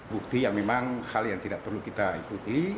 bukti yang memang hal yang tidak perlu kita ikuti